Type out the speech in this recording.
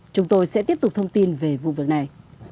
chúng tôi sẽ tiếp tục thông tin về vụ việc này